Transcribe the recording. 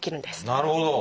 なるほど！